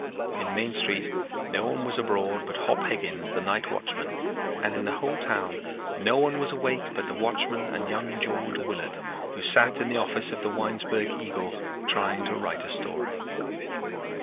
In Main Street no one was abroad but Hop Higgins the night watchman and in the whole town no one was awake but the watchman and young George Willard, who sat in the office of the Winesburg Eagle trying to write a story.